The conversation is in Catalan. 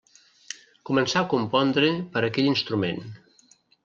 Començà a compondre per a aquell instrument.